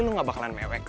lu nggak bakalan mewek